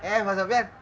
eh pak sofyan